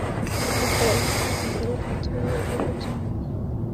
bagakora ibiteza imbere abatuye ibihugu byombi